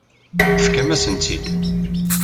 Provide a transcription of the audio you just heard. Tefkamt-asen-tt-id.